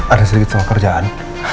ada sedikit soal kerjaan